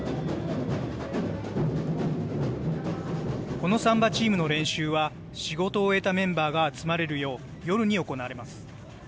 このサンバチームの練習は、仕事を終えたメンバーが集まれるよう、夜に行われます。